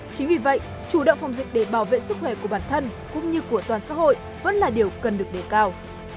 chính vì vậy chủ động phòng dịch để bảo vệ sức khỏe của bản thân cũng như của toàn xã hội vẫn là điều cần được đề cao